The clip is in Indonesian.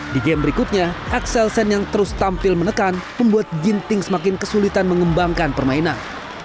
di game berikutnya axelsen yang terus tampil menekan membuat ginting semakin kesulitan mengembangkan permainan